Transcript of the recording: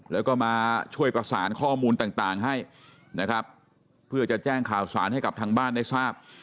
แล้วก็มาช่วยประสานข้อมูลต่างให้นะครับเพื่อจะแจ้งข่าวสารให้กับทางบ้านได้ทราบ